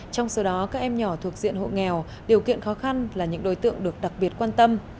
trong số đó các em nhỏ thuộc diện hộ nghèo điều kiện khó khăn là những đối tượng được đặc biệt quan tâm